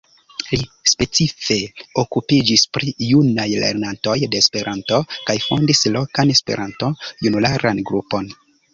Li specife okupiĝis pri junaj lernantoj de Esperanto kaj fondis lokan Esperanto-junularan grupon.